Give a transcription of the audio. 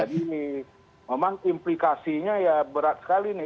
gini memang implikasinya ya berat sekali nih